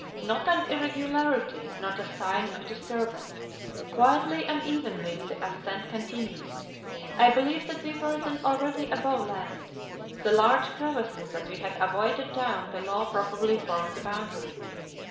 Not an irregularity, not a sign of disturbance; quietly and evenly the ascent continued. I believe that we were then already above land; the large crevasses that we had avoided down below probably formed the boundary.